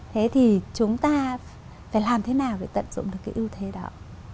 thế thì chúng ta phải làm thế nào để tận dụng được cái ưu thế đó